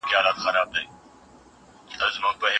شفاهي ادب الهام ورکوي.